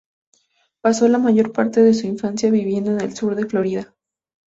Pasó la mayor parte de su infancia viviendo en el sur de Florida.